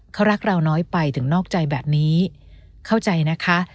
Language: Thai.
เขารักเราน้อยไปถึงนอกใจแบบนี้เข้าใจนะคะ